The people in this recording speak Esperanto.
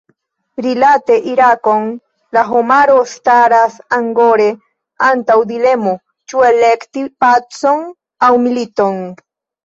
Rilate Irakon la homaro staras angore antaŭ dilemo, ĉu elekti pacon aŭ militon.